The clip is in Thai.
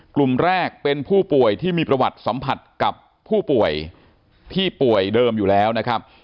กลุ่มแรกเป็นผู้ป่วยที่มีประวัติสัมผัสกับผู้ป่วยที่ป่วยเดิมอยู่แล้วนะครับ